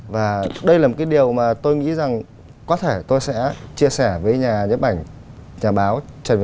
và đây là một cái điều mà tôi nghĩ rằng có thể tôi sẽ chia sẻ với nhà nhấp ảnh nhà báo trần việt